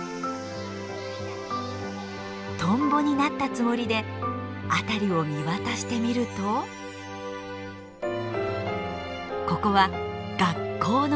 トンボになったつもりで辺りを見渡してみるとここは学校の中！